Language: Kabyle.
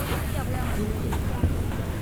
Ddukel.